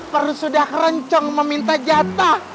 perusudah kerencong meminta jatah